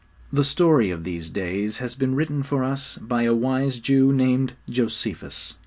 The story of these days has been written for us by a wise Jew named Josephus.